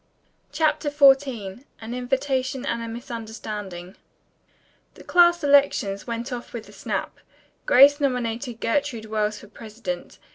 CHAPTER XIV AN INVITATION AND A MISUNDERSTANDING The class elections went off with a snap. Grace nominated Gertrude Wells for president.